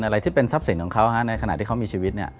อะไรที่เป็นทรัพย์สินของเขาในขณะที่เขามีชีวิต